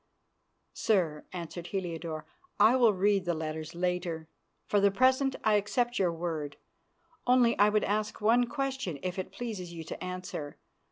"Sir," answered Heliodore, "I will read the letters later. For the present I accept your word. Only I would ask one question, if it pleases you to answer.